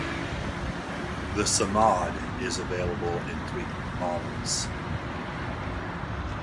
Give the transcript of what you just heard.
The Samad is available in three models.